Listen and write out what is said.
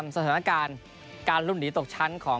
สถานการณ์การลุ่นหนีตกชั้นของ